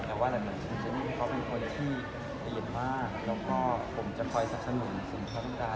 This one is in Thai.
ฉันเองเขาเป็นคนที่ตะเยินมากแล้วก็ผมจะคอยสรับสนุนส่วนความต้องการ